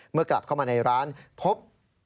กลับเข้ามาในร้านพบ